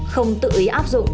không tự ý áp dụng